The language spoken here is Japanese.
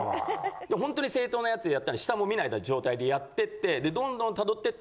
ホントに正当なやつをやった下も見ない状態でやってってどんどん辿ってって